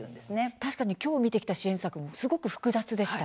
確かに、きょう見てきた支援策もすごく複雑でした。